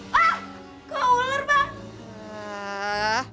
wah kok ular bang